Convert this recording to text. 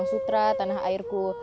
lagu selendang sutra tanah airku